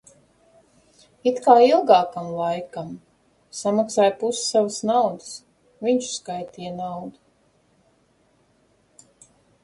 It kā ilgākam laikam. Samaksāju pusi savas naudas. Viņš skaitīja naudu.